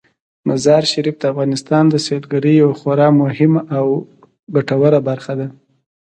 مزارشریف د افغانستان د سیلګرۍ یوه خورا مهمه او ګټوره برخه ده.